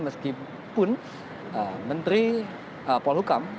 meskipun menteri paul hukam